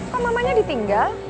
kok mamanya ditinggal